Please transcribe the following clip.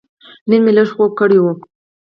نن مې لږ خوب کړی و.